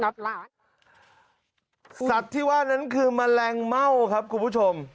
สัตว์ที่ว่านั้นคือแมลงเม่าครับคุณผู้ชม